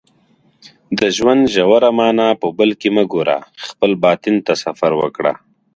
د ژوند ژوره معنا په بل کې مه ګوره خپل باطن ته سفر وکړه